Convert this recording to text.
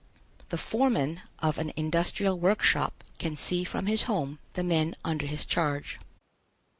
The foreman of an industrial work shop can see from his home the men under his charge.